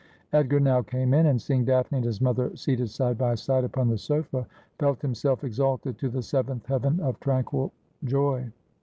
Edgar now came in, and seeing Daphne and his mother seated side by side upon the sofa, felt himself exalted to the seventh heaven of tranquil joy.